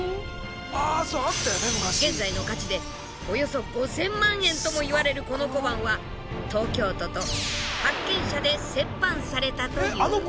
現在の価値でおよそ５，０００万円ともいわれるこの小判は東京都と発見者で折半されたという。